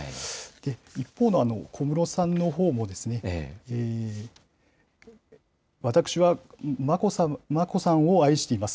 一方の小室さんのほうも、私は、眞子さんを愛しています。